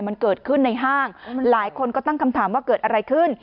มันเกิดขึ้นในห้างหลายคนก็ตั้งคำถามว่าเกิดอะไรขึ้น